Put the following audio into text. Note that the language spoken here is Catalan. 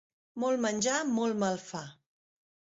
Molt menjar molt mal fa.